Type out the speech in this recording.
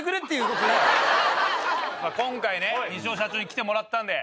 まあ今回ね西尾社長に来てもらったんで。